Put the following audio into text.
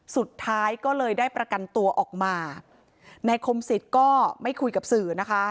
สุดท้ายก็เลยได้ประกันตัวออกมานายคมสิทธิ์ก็ไม่คุยกับสื่อนะคะ